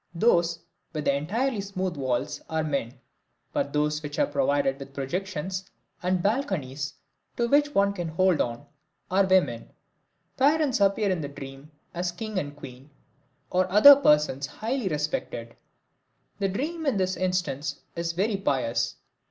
Those with entirely smooth walls are men; but those which are provided with projections and balconies to which one can hold on, are women. Parents appear in the dream as king and queen, or other persons highly respected. The dream in this instance is very pious.